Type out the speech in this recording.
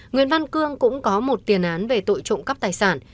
nguyễn văn cương cũng có một tiền án về tội trộm cắp tài sản